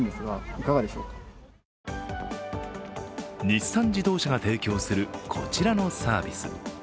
日産自動車が提供するこちらのサービス。